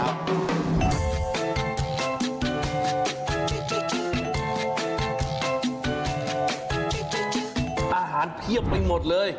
อาหารเพียบไปหมดเลย